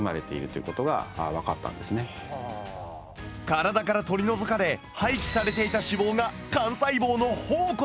体から取り除かれ廃棄されていた脂肪が幹細胞の宝庫だったのだ。